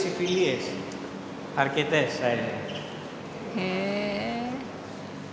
へえ。